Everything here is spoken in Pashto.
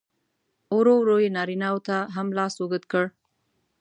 ورو ورو یې نارینه و ته هم لاس اوږد کړ.